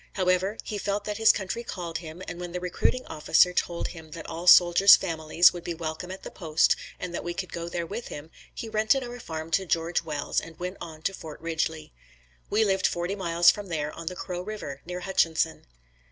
However, he felt that his country called him and when the recruiting officer told him that all soldier's families would be welcome at the post and that we could go there with him, he rented our farm to George Wells and went on to Fort Ridgeley. We lived forty miles from there on the Crow River, near Hutchinson.